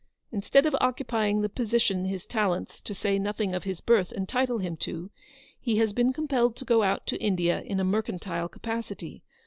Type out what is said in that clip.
Instead of occupying the position his talents, to say nothing of his birth, entitle him to, he has been compelled to go out to India in a mercantile capacity.